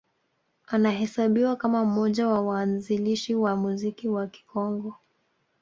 Anahesabiwa kama mmoja wa waanzilishi wa muziki wa Kikongo